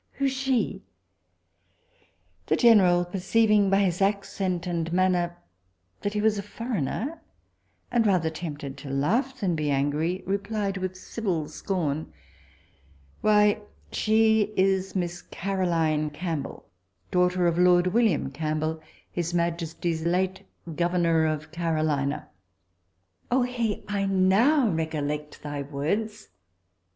who she_? The general perceiving by his accent and manner that he was a foreigner, and rather tempted to laugh than be angry, replied with civil scorn, Why she is miss Caroline Campbell, daughter of lord William Campbell, his majesty's late governor of Carolina Oh, Hih! I now recollect thy words!